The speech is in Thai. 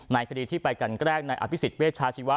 นายคดีที่ไปกันแกล้งนายอภิกษิเวชชาชีวะ